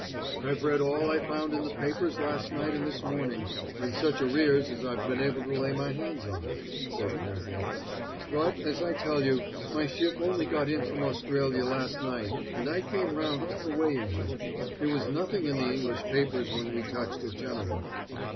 "I've read all I found in the papers last night and this morning, and such arrears as I've been able to lay my hands on," said Cazalet. "But, as I tell you, my ship only got in from Australia last night, and I came round all the way in her. There was nothing in the English papers when we touched at Genoa."